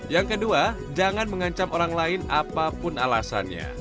yang kedua jangan mengancam orang lain apapun alasannya